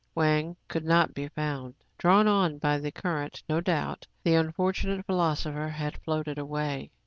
Wang could not be found. Drawn on by the current, no doubt, the unfortunate phil osopher had floated away.